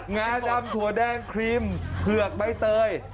งาดำถั่วแดงครีมเผือกใบเตย